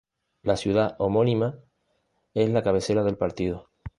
La ciudad homónima es la cabecera del partido.